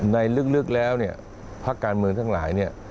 ลึกแล้วเนี่ยภาคการเมืองทั้งหลายเนี่ย